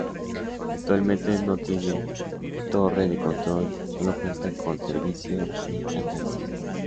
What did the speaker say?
Actualmente no tiene torre de control, solo cuenta con servicio de hangares.